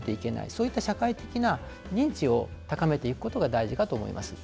そういった社会的な認知を高めていくことが大事かと思います。